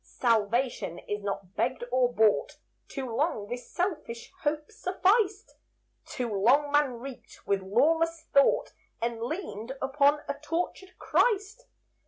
Salvation is not begged or bought; Too long this selfish hope sufficed; Too long man reeked with lawless thought, And leaned upon a tortured Christ.